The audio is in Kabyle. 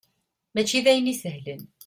Mačči d ayen isehlen.